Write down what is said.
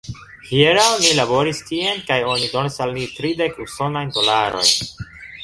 Hieraŭ ni laboris tien kaj oni donis al ni tridek usonajn dolarojn.